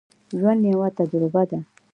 ژوند یوه تجربه ده.